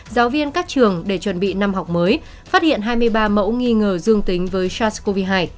giáo viên các trường để chuẩn bị năm học mới phát hiện hai mươi ba mẫu nghi ngờ dương tính với sars cov hai